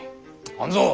半蔵。